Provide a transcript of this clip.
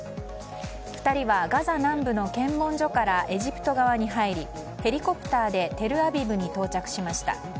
２人はガザ南部の検問所からエジプト側に入りヘリコプターでテルアビブに到着しました。